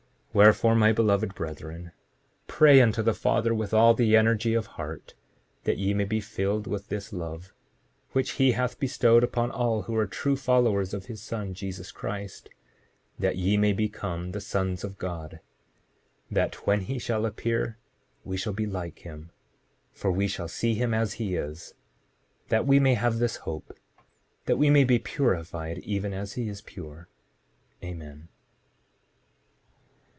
7:48 Wherefore, my beloved brethren, pray unto the Father with all the energy of heart, that ye may be filled with this love, which he hath bestowed upon all who are true followers of his Son, Jesus Christ; that ye may become the sons of God; that when he shall appear we shall be like him, for we shall see him as he is; that we may have this hope; that we may be purified even as he is pure. Amen.